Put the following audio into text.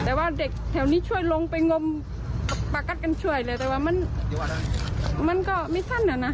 แต่ว่าเด็กแถวนี้ช่วยลงไปงมปากัดกันช่วยเลยแต่ว่ามันมันก็ไม่สั้นอ่ะนะ